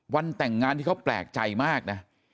วันแต่งงานที่เขาแปลกใจมากนะ